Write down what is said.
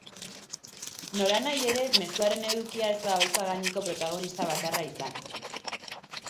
Nolanahi ere, mezuaren edukia ez da oholtza gaineko protagonista bakarra izan.